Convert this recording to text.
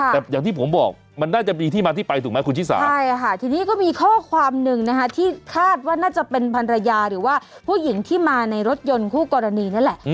แต่อย่างที่ผมบอกมันน่าจะมีที่มาที่ไปถูกไหมคุณชิสาใช่ค่ะทีนี้ก็มีข้อความหนึ่งนะคะที่คาดว่าน่าจะเป็นพันรยาหรือว่าผู้หญิงที่มาในรถยนต์คู่กรณีนั่นแหละ